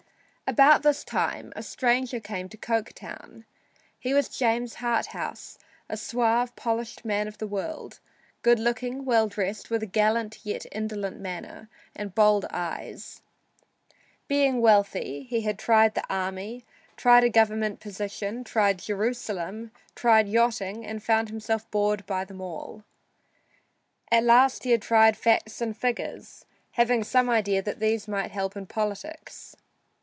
About this time a stranger came to Coketown. He was James Harthouse, a suave, polished man of the world, good looking, well dressed, with a gallant yet indolent manner and bold eyes. Being wealthy, he had tried the army, tried a Government position, tried Jerusalem, tried yachting and found himself bored by them all. At last he had tried facts and figures, having some idea these might help in politics.